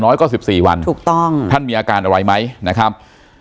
น้อยก็๑๔วันถูกต้องท่านมีอาการอะไรไหมนะครับ